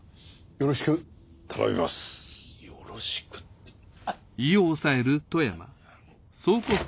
よろしくってあっ。